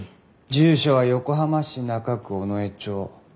住所は横浜市中区尾上町。